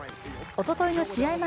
おとといの試合